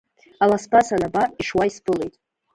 Аласба санаба, ишуа исԥылеит.